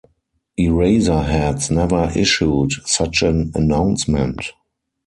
Eraserheads never issued such an announcement.